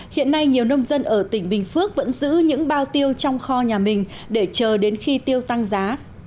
hiện nay nhiều nông dân ở tỉnh bình phước vẫn giữ những bao tiêu trong kho nhà mình để chờ đến khi tiêu tăng giá